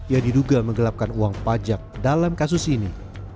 yang diduga menggelapkan uang pajak dalam kasus ini